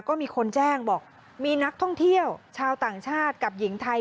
ก็มีคนแจ้งบอกมีนักท่องเที่ยวชาวต่างชาติกับหญิงไทย